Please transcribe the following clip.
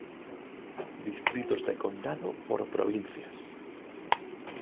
Distritos de condado por provincias.